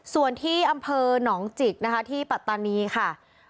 ส่วนที่อำเภอหนองจิกนะคะที่ปัตตานีค่ะ